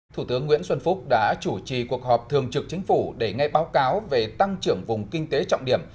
thủ tướng nguyễn xuân phúc đã chủ trì cuộc họp thường trực chính phủ để ngay báo cáo về tăng trưởng vùng kinh tế trọng điểm